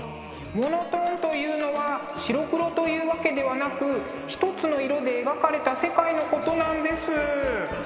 モノトーンというのは白黒というわけではなくひとつの色で描かれた世界のことなんです。